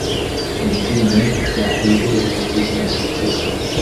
Finfine, la ribelo estis malsukcesa.